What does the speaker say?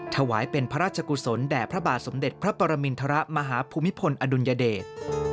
ถวายเป็นพระราชกุศลแด่พระบาทสมเด็จพระปรมินทรมาฮภูมิพลอดุลยเดช